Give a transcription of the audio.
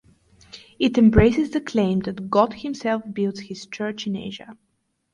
It embraces the claim that "God himself builds his church in Asia".